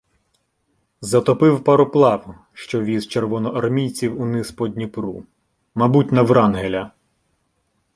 Затопив пароплав, що віз червоноар- мійцівуниз по Дніпру, мабуть на Врангеля.